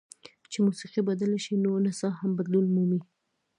چې موسیقي بدله شي نو نڅا هم بدلون مومي.